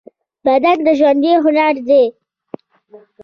بدن د ژوندۍ هنر دی.